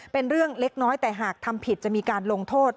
เป็นเรื่องเล็กน้อยแต่หากทำผิดจะมีการลงโทษ